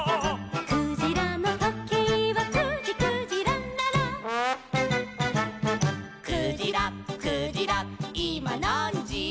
「クジラのとけいは９じ９じららら」「クジラクジラいまなんじ」